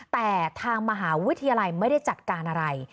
แต่ทางมหาวิทยาลัยไม่ได้จัดการอะไร